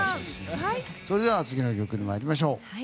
それでは次の曲に参りましょう。